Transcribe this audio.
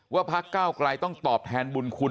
พักเก้าไกลต้องตอบแทนบุญคุณ